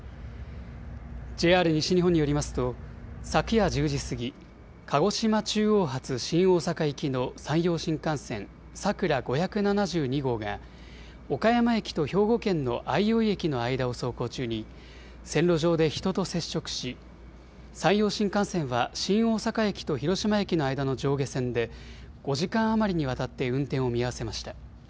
ＪＲ西日本によりますと、昨夜１０時過ぎ、鹿児島中央発新大阪行きの山陽新幹線さくら５７２号が、岡山駅と兵庫県の相生駅の間を走行中に、線路上で人と接触し、山陽新幹線は新大阪駅と広島駅の間の上下線で、５時間余りにわたって運転を見合わせました。